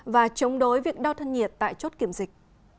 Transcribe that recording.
và chống đối việc đo thân nhiệt tại chốt kiểm dịch